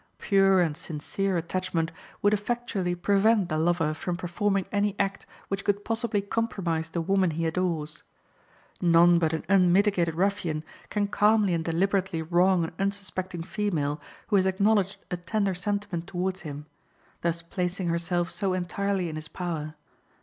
Pure and sincere attachment would effectually prevent the lover from performing any act which could possibly compromise the woman he adores. None but an unmitigated ruffian can calmly and deliberately wrong an unsuspecting female who has acknowledged a tender sentiment toward him, thus placing herself so entirely in his power.